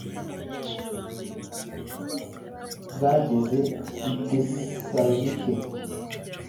Imbuto z ubutumwa bwageze i tesalonike